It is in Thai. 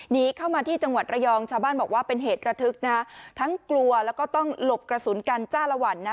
หนีเข้ามาที่จังหวัดระยองชาวบ้านบอกว่าเป็นเหตุระทึกนะทั้งกลัวแล้วก็ต้องหลบกระสุนกันจ้าละวันนะ